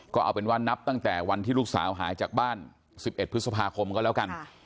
ก็เอาเป็นว่านับตั้งแต่วันที่ลูกสาวหายจากบ้าน๑๑พฤษภาคมก็แล้วกัน